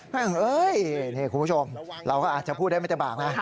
เฮ้ยนี่คุณผู้ชมเราก็อาจจะพูดได้ไม่แต่บากนะ